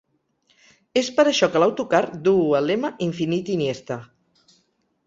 És per això que l’autocar duu el lema ‘infinit Iniesta’.